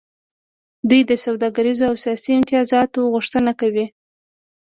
دوی د سوداګریزو او سیاسي امتیازاتو غوښتنه کوي